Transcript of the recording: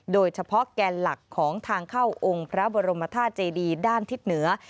แกนหลักของทางเข้าองค์พระบรมธาตุเจดีด้านทิศเหนือ